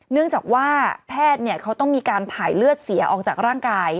เนื่องจากว่าแพทย์เขาต้องมีการถ่ายเลือดเสียออกจากร่างกาย